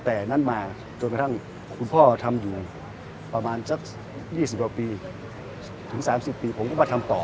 แต่นั้นมาจนกระทั่งคุณพ่อทำอยู่ประมาณสัก๒๐กว่าปีถึง๓๐ปีผมก็มาทำต่อ